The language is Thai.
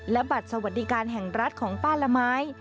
และบัตรสวัสดิการแห่งรัฐของป้าละไม้